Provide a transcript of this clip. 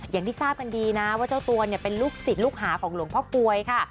อย่างที่ทราบกันดีนะว่าเจ้าตัวเนี่ยเป็นลูกศิษย์ลูกหาของหลวงพ่อกลวยค่ะ